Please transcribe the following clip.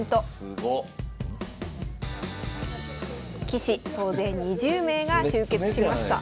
棋士総勢２０名が集結しました。